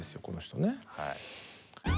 この人ね。